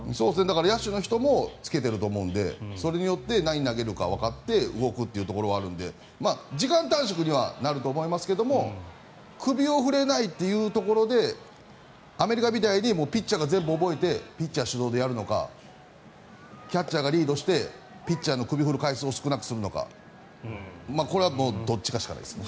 野手の人も着けてると思うのでそれによって何を投げるかわかって動くというところはあるので時間短縮にはなると思いますが首を振れないというところでアメリカみたいにピッチャーが全部覚えてピッチャー主導でやるのかキャッチャーがリードしてピッチャーの首を振る回数を少なくするのかこれはどっちかしかないですね。